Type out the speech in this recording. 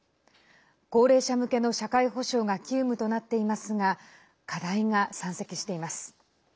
高齢者向けの社会保障が急務となっていますが課題が山積しています。